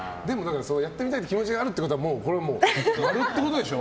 やってみたいって気持ちがあるっていうことは○ってことでしょ。